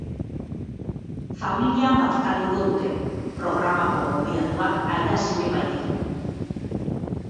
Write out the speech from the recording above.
Familian bazkalduko dute, programako gonbidatuak aita-seme baitira.